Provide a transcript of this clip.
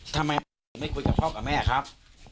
ทำไมไม่คุยกับพ่อกับแม่ครับ